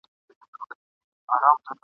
بیرغچي رالویږي.